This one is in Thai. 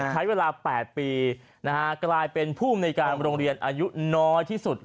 ใช้เวลา๘ปีกลายเป็นผู้อำนวยการโรงเรียนอายุน้อยที่สุด